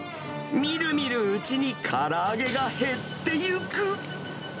みるみるうちにから揚げが減っていく。